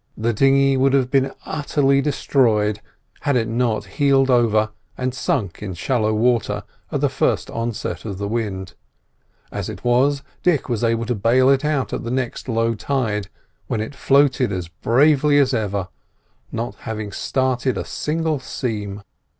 The dinghy would have been utterly destroyed, had it not heeled over and sunk in shallow water at the first onset of the wind; as it was, Dick was able to bail it out at the next low tide, when it floated as bravely as ever, not having started a single seam.